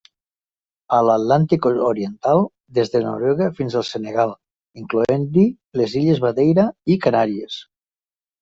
A l'Atlàntic Oriental, des de Noruega fins al Senegal, incloent-hi les illes Madeira i Canàries.